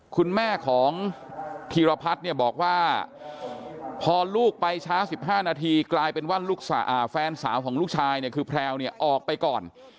คุณแม่ของธีรพัฒน์เนี่ยบอกว่าพอลูกไปช้า๑๕นาทีกลายเป็นว่าแฟนสาวของลูกชายเนี่ยคือแพลวเนี่ยออกไปก่อน